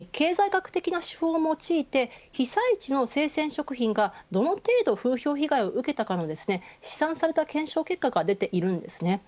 実は、東日本大震災のときに経済学的な手法を用いて被災地の生鮮食品がどの程度、風評被害を受けたかの試算された検証結果が出ています。